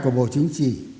của bộ chính trị